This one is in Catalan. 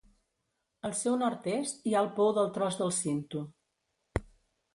Al seu nord-est hi ha el Pou del Tros del Cinto.